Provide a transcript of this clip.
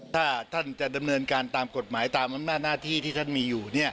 ถ้าท่านจะดำเนินการตามกฎหมายตามอำนาจหน้าที่ที่ท่านมีอยู่